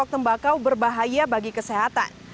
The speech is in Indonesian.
tembakau berbahaya bagi kesehatan